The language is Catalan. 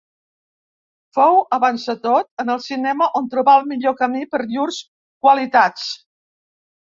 Fou, avanç de tot, en el cinema on trobà el millor camí per llurs qualitats.